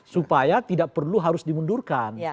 supaya tidak perlu harus dimundurkan